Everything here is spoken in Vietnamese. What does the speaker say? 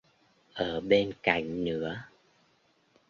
ở bên cạnh nữa